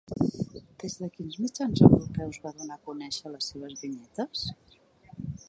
Des de quins mitjans europeus va donar a conèixer les seves vinyetes?